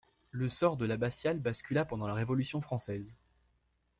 Le sort de l'abbatiale bascula pendant la Révolution française.